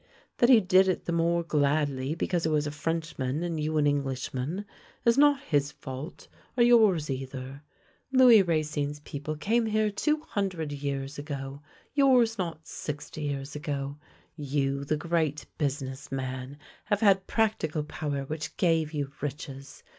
That he did it the more gladly because he was a Frenchman and you an Englishman is not his fault, or yours either. Louis Racine's people came here two 64 THE LANE THAT HAD NO TURNING hundred years ago, yours not sixty years ago. You, the great business man, have had practical power which gave you riches.